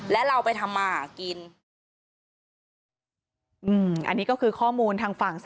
และเราไปทำมาหากิน